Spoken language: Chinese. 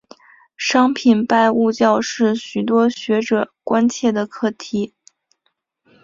商品拜物教是许多学者关切的课题。